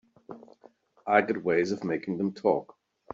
I got ways of making them talk.